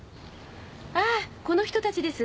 ああこの人たちです。